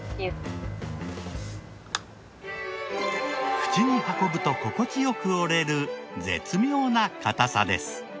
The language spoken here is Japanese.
口に運ぶと心地よく折れる絶妙な硬さです。